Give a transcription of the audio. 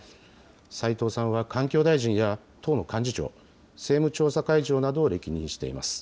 斉藤さんは環境大臣や党の幹事長、政務調査会長などを歴任しています。